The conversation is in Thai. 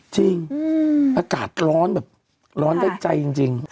จริงอากาศร้อนแบบร้อนได้ใจจริง